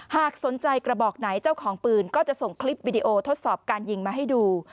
หากสนใจกระบอกไหนเจ้าของปืนก็จะส่งคลิปวิดีโอทดสอบการยิงมาให้ดู